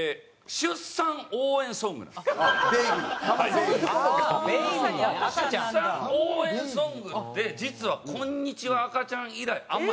出産応援ソングって実は『こんにちは赤ちゃん』以来あんまないんです。